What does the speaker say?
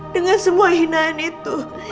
dengan semua hinaan itu